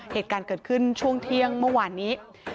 เหตุการณ์เกิดขึ้นช่วงเที่ยงเมื่อวานนี้